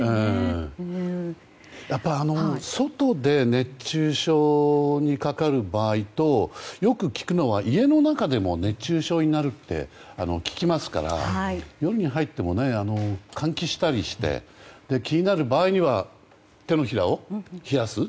やっぱり外で熱中症にかかる場合とよく聞くのは家の中でも熱中症になるって聞きますから、家に入っても換気したりして気になる場合は手のひらを冷やす。